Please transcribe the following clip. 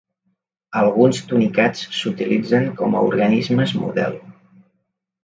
Alguns tunicats s'utilitzen com a organismes model.